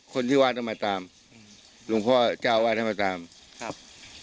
คนที่วัดต้องมาตามอืมหลวงพ่อเจ้าวาดให้มาตามครับ